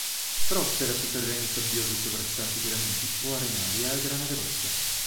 Prospera su terreni sabbiosi sovrastanti graniti o arenaria a grana grossa.